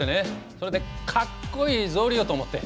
それでかっこいい草履をと思って。